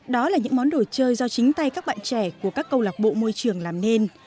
đó là những món đồ chơi do chính tay các bạn trẻ của các câu lạc bộ môi trường làm nên